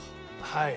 はい。